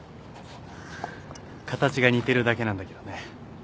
形が似てるだけなんだけどね。